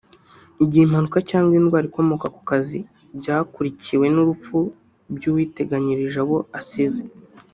Igihe impanuka cyangwa indwara ikomoka ku kazi byakurikiwe n’urupfu by’uwiteganyirije abo assize